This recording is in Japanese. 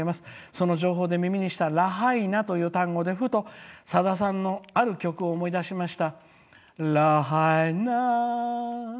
その情報で耳にしたラハイナという言葉でふと、さださんのある曲を思い出しました。